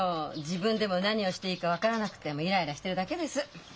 自分でも何をしていいか分からなくてイライラしてるだけです。